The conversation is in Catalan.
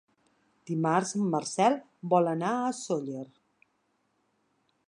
Dimarts en Marcel vol anar a Sóller.